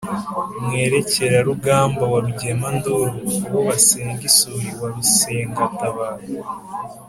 Mwerekerarugamba wa Rugemanduru, uwo basenga isuri wa Rusengatabaro,